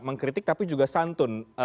mengkritik tapi juga santun